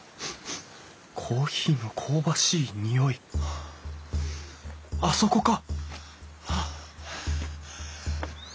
コーヒーの香ばしい匂いあそこか！